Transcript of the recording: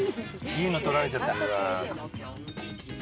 いいの取られちゃった。